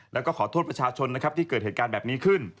แล้วก็ขอโทษประชาชนนะครับที่เกิดเหตุการณ์แบบนี้ขึ้น